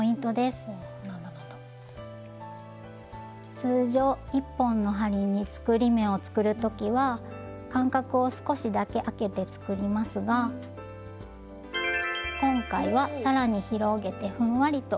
通常１本の針に作り目を作る時は間隔を少しだけあけて作りますが今回は更に広げてふんわりと緩めに作ります。